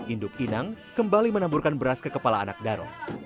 induk inang kembali menaburkan beras ke kepala anak daro